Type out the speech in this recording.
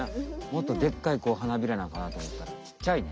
もっとでっかい花びらなんかなとおもったらちっちゃいね。